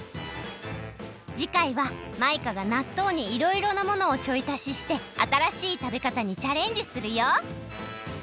じかいはマイカがなっとうにいろいろなものをちょいたししてあたらしいたべかたにチャレンジするよ！